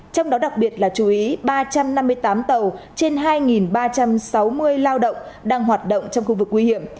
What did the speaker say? trong đó đặc biệt là chú ý ba trăm năm mươi tám tàu trên hai ba trăm sáu mươi lao động đang hoạt động trong khu vực nguy hiểm